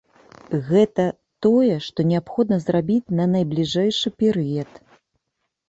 Гэта тое, што неабходна зрабіць на найбліжэйшы перыяд.